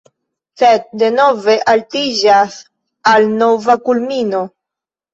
Sed denove altiĝas al nova kulmino.